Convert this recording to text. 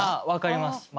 分かります。